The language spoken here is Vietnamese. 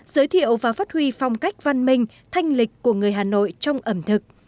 giới thiệu và phát huy phong cách văn minh thanh lịch của người hà nội trong ẩm thực